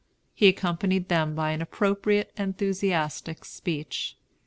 He accompanied them by an appropriate and enthusiastic speech.